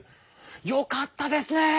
よかったですね！